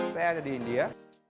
saya ada di india